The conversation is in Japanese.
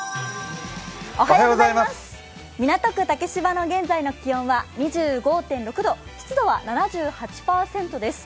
港区竹芝の現在の気温は２５．６度、湿度は７８％です。